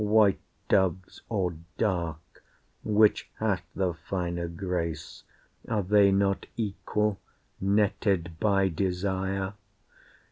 White doves or dark, which hath the finer grace? Are they not equal, netted by desire?